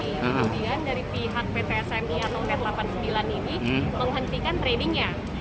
pertanyaan dari pihak ptsm net delapan puluh sembilan ini menghentikan tradingnya